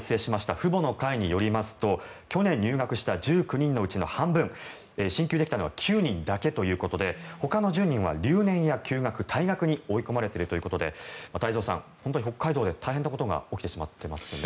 父母の会によりますと去年入学した１９人のうちの半分進級できたのは９人だけということでほかの１０人は留年や休学退学に追い込まれているということで太蔵さん、北海道で大変なことが起きてしまっていますね。